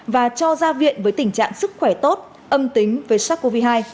và cho ra viện với tình trạng sức khỏe tốt âm tính với sars cov hai